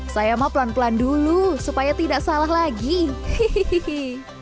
saya mau pelan pelan dulu supaya tidak salah lagi hihihi